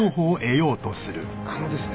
あのですね